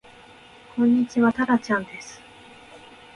こんにちはたらちゃんです